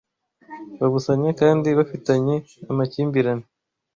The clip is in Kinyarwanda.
babusanya kandi bafitanye amakimbirane